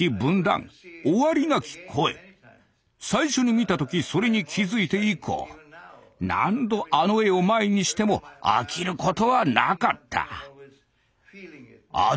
最初に見た時それに気付いて以降何度あの絵を前にしても飽きることはなかった。